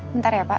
bentar ya pak